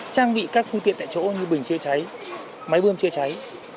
trang bị các khu tiện tại chỗ như bình chưa cháy máy bơm chưa cháy